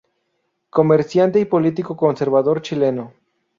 Comerciante y político conservador chileno.